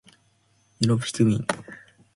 よろぴくみん